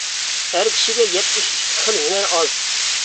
ئەر كىشىگە يەتمىش ئىككى خىل ھۈنەر ئاز.